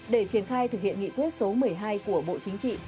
để triển khai thực hiện nghị quyết số một mươi hai của bộ chính trị